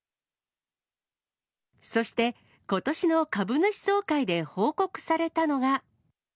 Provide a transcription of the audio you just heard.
そして、ことしの株主総会で報告されたのが。